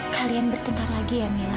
kalian bertebar lagi ya mila